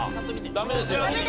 ダメですよ。